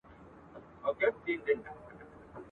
تر ماښام پوري یې هیڅ نه وه خوړلي !.